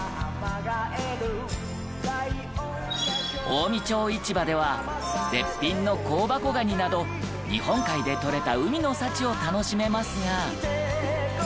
近江町市場では絶品の香箱ガニなど日本海でとれた海の幸を楽しめますが。